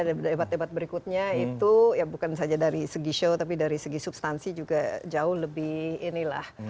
dari debat debat berikutnya itu ya bukan saja dari segi show tapi dari segi substansi juga jauh lebih inilah